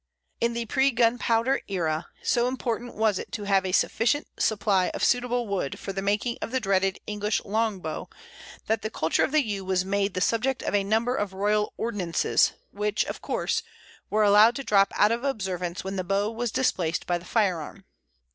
In the pre gunpowder era, so important was it to have a sufficient supply of suitable wood for the making of the dreaded English long bow, that the culture of the Yew was made the subject of a number of royal ordinances, which, of course, were allowed to drop out of observance when the bow was displaced by the firearm.